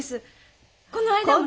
この間も。